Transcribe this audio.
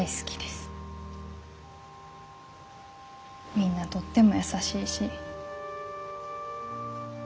みんなとっても優しいし。